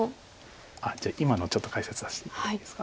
じゃあ今のちょっと解説していっていいですか。